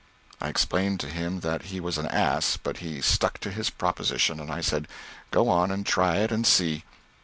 I explained to him that he was an ass, but he stuck to his proposition, and I said, "Go on and try it, and see."